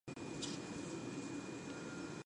The blurb lends mystery to Miss Westmacott's identity.